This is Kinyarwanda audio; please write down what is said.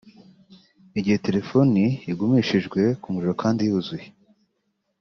Igihe telephone igumishijwe ku muriro kandi yuzuye